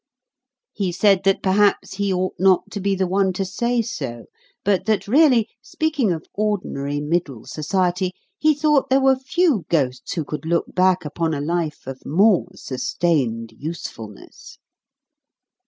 He said that perhaps he ought not to be the one to say so, but that really, speaking of ordinary middle society, he thought there were few ghosts who could look back upon a life of more sustained usefulness.